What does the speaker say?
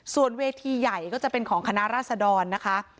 ส่วนเวทีใหญ่ก็จะเป็นของคณะราษดรนะคะ